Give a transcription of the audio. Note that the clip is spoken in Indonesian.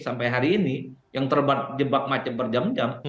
sampai hari ini yang terbuat jebak macam berjam jam